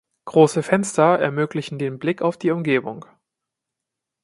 Große Fenster ermöglichen den Blick auf die Umgebung.